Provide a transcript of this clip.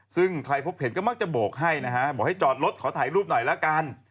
ซึ่งใครพบเห็นก็มักจะโบกให้นะฮะบอกให้จอดรถขอถ่ายรูปหน่อยละกัน